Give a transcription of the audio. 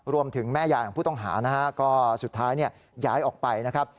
รวมถึงแม่ย่าผู้ต้องหานะฮะก็สุดท้ายย้ายออกไปนะครับ